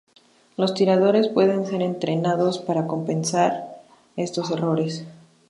Los tiradores pueden ser entrenados para compensar estos errores.